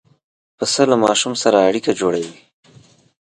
پسه له ماشوم سره اړیکه جوړوي.